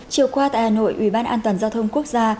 chiều qua tại hà nội ủy ban an toàn giao thông quốc gia